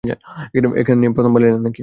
এখানে প্রথমবার এলে নাকি?